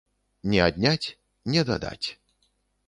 Не адняць, не дадаць.